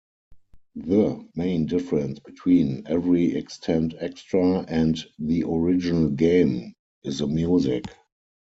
The main difference between "Every Extend Extra" and the original game is the music.